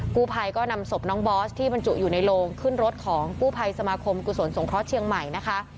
กู้ภัยก็นำศพน้องบอสที่บรรจุอยู่ในโลงขึ้นรถของกู้ภัยสมาคมกุศลสงเคราะห์เชียงใหม่นะคะ